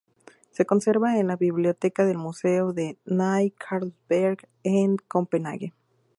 Se conserva en la Biblioteca del Museo de Ny Carlsberg en Copenhague.